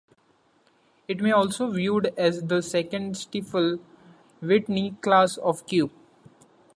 It may also be viewed as the second Stiefel-Whitney class of "Q".